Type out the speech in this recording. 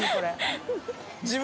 自分？